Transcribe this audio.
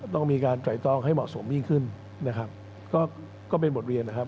ต้องมีการไตรตองให้เหมาะสมยิ่งขึ้นนะครับก็เป็นบทเรียนนะครับ